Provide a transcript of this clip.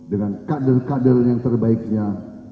dengan kader kader yang terbaiknya